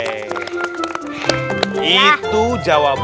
itu jawaban yang ustadz bisa jawab